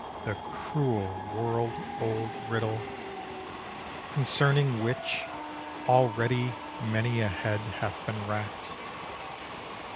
The cruel, world old riddle, Concerning which, already many a head hath been racked.